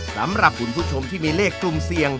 สำหรับคุณผู้ชมที่มีเลขกลุ่มเสี่ยง